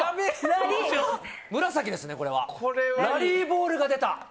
紫、ラリーボールが出た。